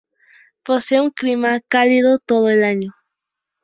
Posee un clima cálido todo el año.